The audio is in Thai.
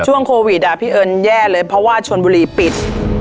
ช่วงโควิดพี่เอิญแย่เลยเพราะว่าชนบุรีปิด